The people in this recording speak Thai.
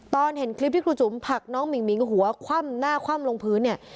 ตอนเห็นคลิปที่ครูจุ๋มผลักน้องหมิ่งหิงหัวคว่ำหน้าคว่ำลงพื้นเนี่ย